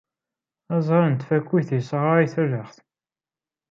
Aẓɣal n tafukt yessɣaray talaɣt.